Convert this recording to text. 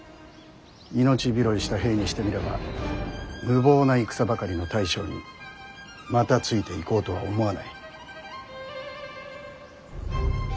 命拾いした兵にしてみれば無謀な戦ばかりの大将にまたついていこうとは思わない。